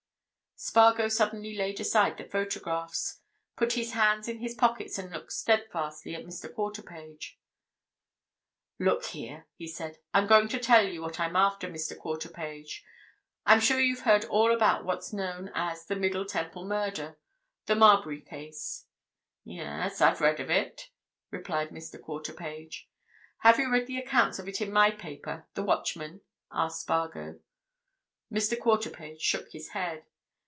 Spargo suddenly laid aside the photographs, put his hands in his pockets, and looked steadfastly at Mr. Quarterpage. "Look here!" he said. "I'm going to tell you what I'm after, Mr. Quarterpage. I'm sure you've heard all about what's known as the Middle Temple Murder—the Marbury case?" "Yes, I've read of it," replied Mr. Quarterpage. "Have you read the accounts of it in my paper, the Watchman?" asked Spargo. Mr. Quarterpage shook his head.